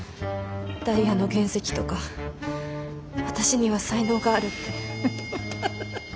ダイヤの原石とか私には才能があるって。